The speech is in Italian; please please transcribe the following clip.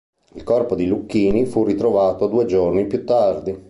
Il corpo di Lucchini fu ritrovato due giorni più tardi.